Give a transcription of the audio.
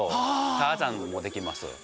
ターザンもできます。